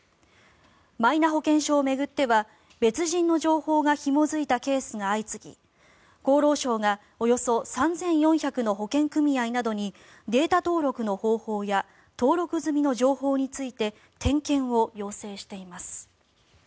マイナ保険証を巡っては別人の情報がひも付いたケースが相次ぎ厚労省がおよそ３４００の保険組合などにデータ登録の方法や登録済みの情報について点検を要請しています。